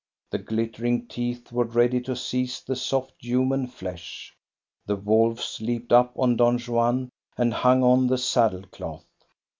The glittering teeth were ready to seize the soft human flesh. The wolves leaped up on Don Juan, and hung on the saddle cloth.